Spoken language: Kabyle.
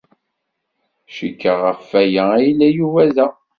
Cikkeɣ ɣef waya ay yella Yuba da.